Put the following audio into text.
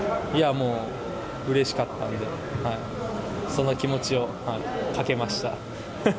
もううれしかったんで、その気持ちをかけました。